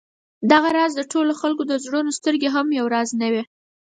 دغه راز د ټولو خلکو د زړونو سترګې هم یو راز نه دي.